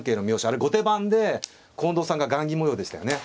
あれ後手番で近藤さんが雁木模様でしたよね。